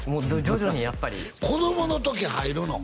徐々にやっぱり子供の時入るの！？